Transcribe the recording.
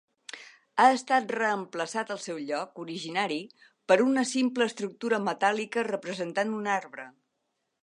Ha estat reemplaçat al seu lloc originari per una simple estructura metàl·lica representant un arbre.